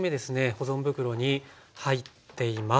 保存袋に入っています。